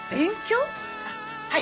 はい。